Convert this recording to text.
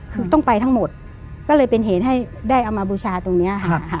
คือต้องไปทั้งหมดก็เลยเป็นเหตุให้ได้เอามาบูชาตรงนี้ค่ะ